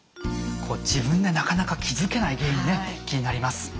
こう自分でなかなか気付けない原因ね気になります。